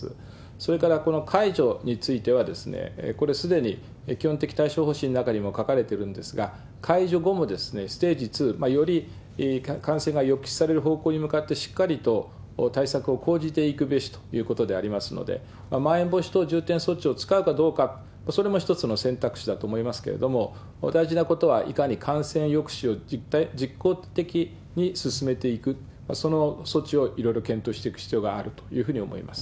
それから、この解除については、これ、すでに基本的対処方針の中にも書かれているんですが、解除後もステージ２、より感染が抑止される方向に向かって、しっかりと対策を講じていくべしということでありますので、まん延防止等重点措置を使うかどうか、それも一つの選択肢だと思いますけれども、大事なことは、いかに感染抑止を実効的に進めていく、その措置をいろいろ検討していく必要があるというふうに思います。